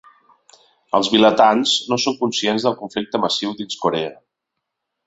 Els vilatans no són conscients del conflicte massiu dins Corea.